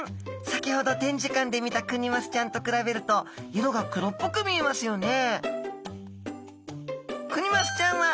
先ほど展示館で見たクニマスちゃんと比べると色が黒っぽく見えますよね。